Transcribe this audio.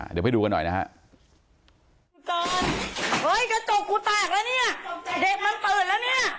เดี๋ยวไปดูกันหน่อยนะฮะ